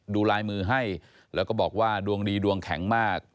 ดูลายมือให้แล้วก็บอกว่าดวงดีดวงแข็งมาก